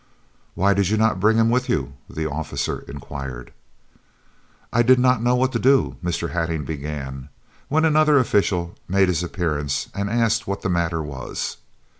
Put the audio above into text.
"Why did you not bring him with you?" the officer inquired. "I did not know what to do," Mr. Hattingh began, when another official made his appearance and asked what the matter was.